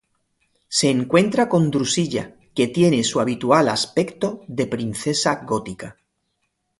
Se encuentra con Drusilla, que tiene su habitual aspecto de princesa gótica.